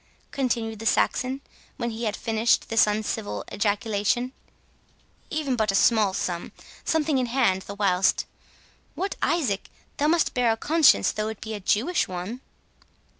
continued the Saxon, when he had finished this uncivil ejaculation, "even but a small sum; something in hand the whilst. What, Isaac! thou must bear a conscience, though it be a Jewish one."